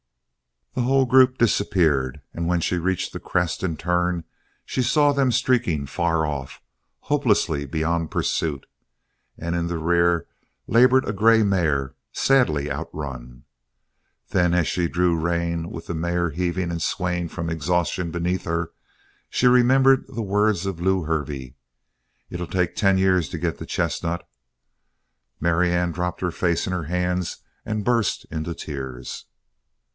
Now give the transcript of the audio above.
The whole group disappeared, and when she reached the crest in turn, she saw them streaking far off, hopelessly beyond pursuit, and in the rear labored a grey mare, sadly outrun. Then, as she drew rein, with the mare heaving and swaying from exhaustion beneath her, she remembered the words of Lew Hervey: "It'll take ten years to get the chestnut!" Marianne dropped her face in her hands and burst into tears.